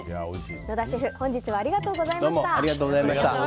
野田シェフ本日はありがとうございました。